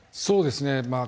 そうですね